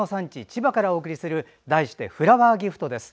千葉からお送りする題して「フラワーギフト」です。